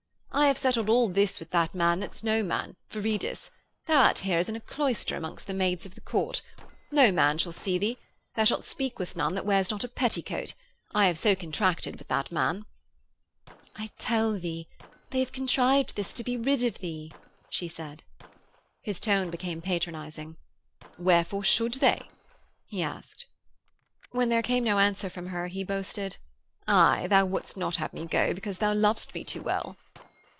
'I have settled all this with that man that's no man, Viridus; thou art here as in a cloister amongst the maids of the Court. No man shall see thee; thou shalt speak with none that wears not a petticoat. I have so contracted with that man.' 'I tell thee they have contrived this to be rid of thee,' she said. His tone became patronising. 'Wherefore should they?' he asked. When there came no answer from her he boasted, 'Aye, thou wouldst not have me go because thou lovest me too well.'